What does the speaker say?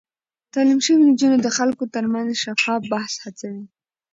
تعليم شوې نجونې د خلکو ترمنځ شفاف بحث هڅوي.